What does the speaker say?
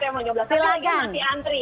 tapi lagi masih antri